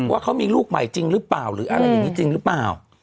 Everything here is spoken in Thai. ว่าเขามีลูกใหม่จริงหรือเปล่าหรืออะไรอย่างนี้จริงหรือเปล่า